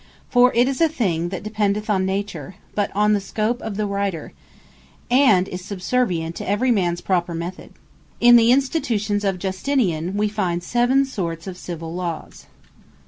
For it is a thing that dependeth not on Nature, but on the scope of the Writer; and is subservient to every mans proper method. In the Institutions of Justinian, we find seven sorts of Civill Lawes.